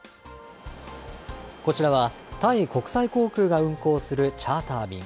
こちらは、タイ国際航空が運航するチャーター便。